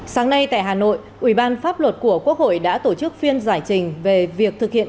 sáng nay tại hà nội ủy ban pháp luật của quốc hội đã tổ chức phiên giải trình về việc thực hiện